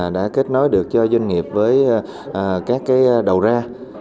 đã kết nối được cho doanh nghiệp với các đầu ra